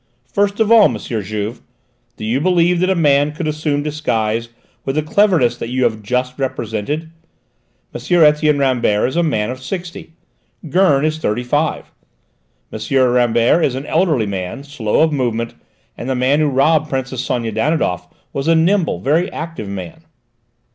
"First of all, M. Juve, do you believe that a man could assume disguise with the cleverness that you have just represented? M. Etienne Rambert is a man of sixty; Gurn is thirty five. M. Rambert is an elderly man, slow of movement, and the man who robbed Princess Sonia Danidoff was a nimble, very active man."